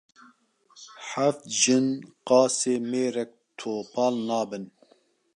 Heft jin qasê mêrek topal nabin